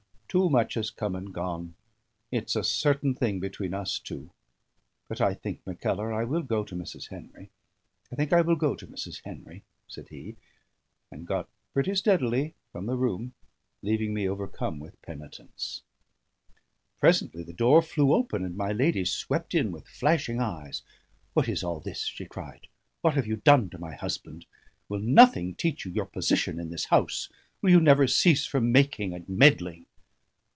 Too much has come and gone. It's a certain thing between us two. But I think, Mackellar, I will go to Mrs. Henry I think I will go to Mrs. Henry," said he, and got pretty steadily from the room, leaving me overcome with penitence. Presently the door flew open, and my lady swept in with flashing eyes. "What is all this?" she cried. "What have you done to my husband? Will nothing teach you your position in this house? Will you never cease from making and meddling?"